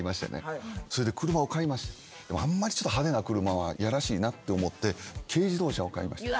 でもあんまり派手な車はやらしいなって思って軽自動車を買いました。